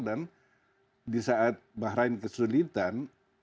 di saat bahrain kesulitan